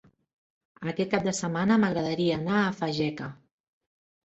Aquest cap de setmana m'agradaria anar a Fageca.